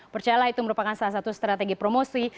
percayalah itu merupakan salah satu strategi promosi